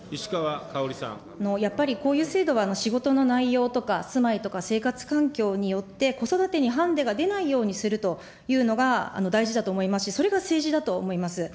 やっぱり、こういう制度は仕事の内容とか、住まいとか生活環境によって、子育てにハンデが出ないようにするというのが大事だと思いますし、それが政治だと思います。